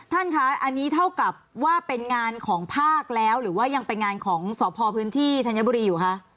ท่านคะอันนี้เท่ากับว่าเป็นงานของภาคแล้วหรือว่ายังเป็นงานของสพพื้นที่ธัญบุรีอยู่คะ